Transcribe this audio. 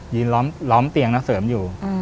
ล้อมเตียงนักเสริมอยู่